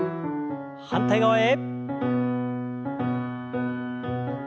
反対側へ。